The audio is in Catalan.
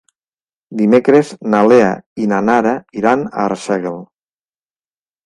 Dimecres na Lea i na Nara iran a Arsèguel.